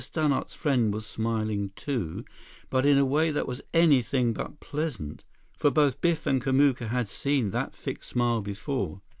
Stannart's friend was smiling, too, but in a way that was anything but pleasant. For both Biff and Kamuka had seen that fixed smile before.